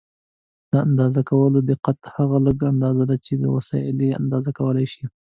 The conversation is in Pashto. د اندازه کولو دقت هغه لږه اندازه ده چې وسایل یې اندازه کولای شي.